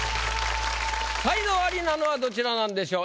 才能アリなのはどちらなんでしょう？